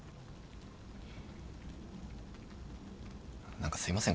何かすいません